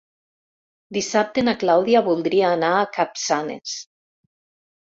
Dissabte na Clàudia voldria anar a Capçanes.